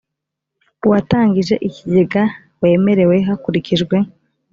uwatangije ikigega wemerewe hakurikijwe